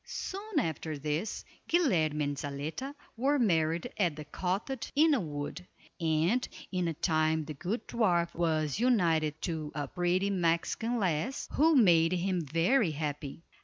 Soon after this, Guilerme and Zaletta were married at the cottage in the wood, and in time the good dwarf was united to a pretty Mexican lass, who made him very happy.